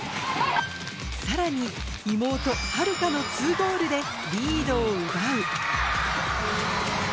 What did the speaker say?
さらに、妹、秦留可の２ゴールでリードを奪う。